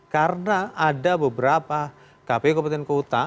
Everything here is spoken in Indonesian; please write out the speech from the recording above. karena ada beberapa kpu kabupaten kota